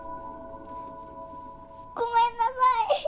ごめんなさい。